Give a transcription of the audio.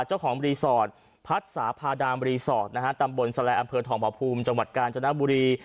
เจ้าของรีสอร์ทพัดสาพาดามรีสอร์ทนะฮะตำบลแสลอำเภอทองประภูมิจังหวัดกาญจนบุรี